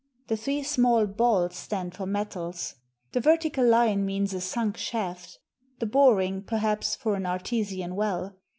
The three small balls stand for metals. The vertical line means a sunk shaft — the boring, perhaps, for an artesian well.